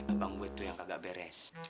emang gue tuh yang kagak beres